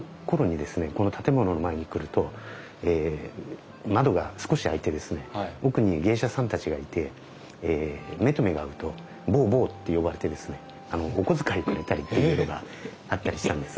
この建物の前に来ると窓が少し開いて奥に芸者さんたちがいて目と目が合うと坊坊って呼ばれてですねお小遣いくれたりっていうことがあったりしたんです。